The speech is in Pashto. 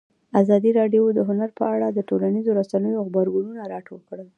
ازادي راډیو د هنر په اړه د ټولنیزو رسنیو غبرګونونه راټول کړي.